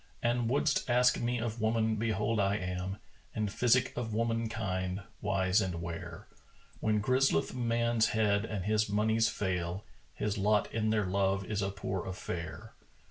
An would'st ask me of woman, behold I am * In physic of womankind wise and ware: When grizzleth man's head and his monies fail, * His lot in their love is a poor affair."